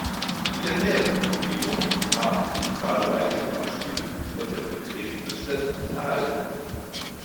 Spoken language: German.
In der näheren Umgebung haben sich zahlreiche Beispiele solcher Begräbnisstätten erhalten.